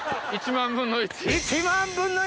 １万分の１。